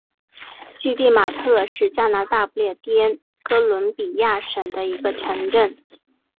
基蒂马特是加拿大不列颠哥伦比亚省的一个城镇。